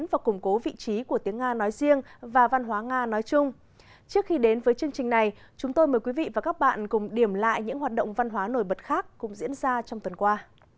với chương trình này chúng tôi mời quý vị và các bạn cùng điểm lại những hoạt động văn hóa nổi bật khác cũng diễn ra trong tuần qua